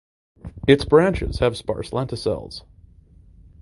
Its branches have sparse lenticels.